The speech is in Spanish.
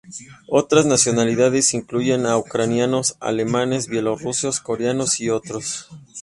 Otras nacionalidades incluyen a ucranianos, alemanes, bielorrusos, coreanos, y otros.